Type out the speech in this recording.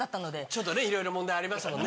ちょっといろいろ問題ありましたもんね。